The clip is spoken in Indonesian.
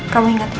kamu ingat ya